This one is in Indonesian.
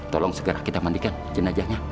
tolong segera kita mandikan jenajahnya